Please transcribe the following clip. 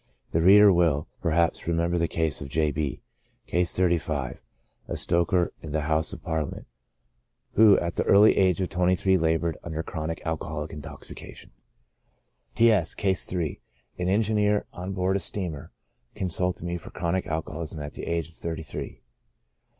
The reader will, perhaps, remember the case of G. B —, (Case 35,) a stoker in the House of Parliament, who at the early age of twenty three labored under chronic alcoholic intoxication. T. S' —, (Case 3,) an engineer on board a steamboat, con sulted me for chronic alcoholism at the age of thirty three.